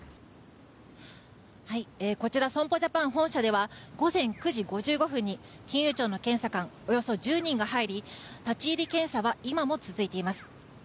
こちら、損保ジャパン本社では午前９時５５分に金融庁の検査官およそ１０人が入り立ち入り検査は今も続いています。